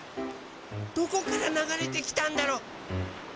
どこからながれてきたんだろう？